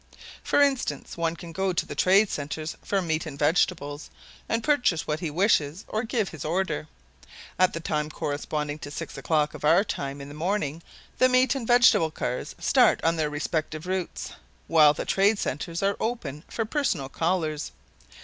For instance, one can go to the trade centers for meats and vegetables, and purchase what he wishes or give his order. At the time corresponding to six o'clock of our time in the morning the meat and vegetable cars start on their respective routes, while the trade centers are open for personal callers.